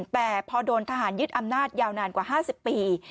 แต่พอโดนทหารยึดอำนาจยาวนานกว่า๕๐ปี